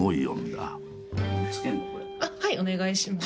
はいお願いします。